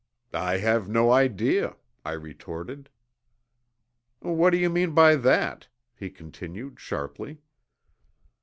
"I have no idea," I retorted. "What do you mean by that?" he continued sharply.